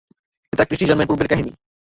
এটা ক্রিস্টের জন্মেরও পূর্বের কাহিনী।